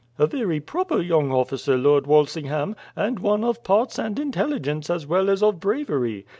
"A very proper young officer, Lord Walsingham; and one of parts and intelligence as well as of bravery.